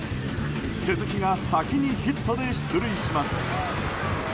鈴木が先にヒットで出塁します。